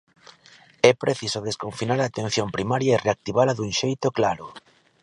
É preciso desconfinar a atención primaria e reactivala dun xeito claro.